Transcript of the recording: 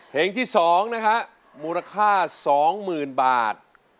เพลงที่สองนะคะมูลค่าสองหมื่นบาท